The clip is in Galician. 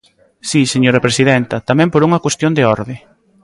Si, señora presidenta, tamén por unha cuestión de orde.